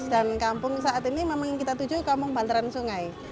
dan kampung saat ini memang yang kita tuju kampung bantaran sungai